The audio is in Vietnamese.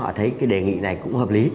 họ thấy cái đề nghị này cũng hợp lý